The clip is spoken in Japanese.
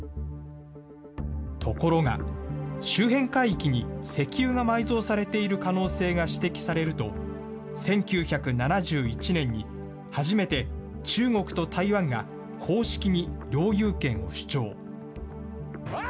ところが、周辺海域に石油が埋蔵されている可能性が指摘されると、１９７１年に初めて中国と台湾が公式に領有権を主張。